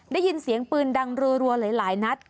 ได้ยินเสียงปืนดังรัวหลายนัด